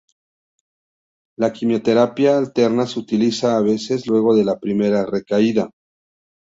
La quimioterapia alterna se utiliza a veces luego de la primera recaída.